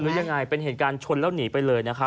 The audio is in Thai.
หรือยังไงเป็นเหตุการณ์ชนแล้วหนีไปเลยนะครับ